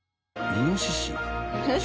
イノシシ。